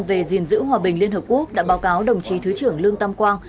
về giữ hòa bình liên hợp quốc đã báo cáo đồng chí thứ trưởng lương tâm quang